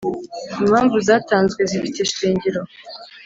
impamvu zatanzwe zifite ishingiro .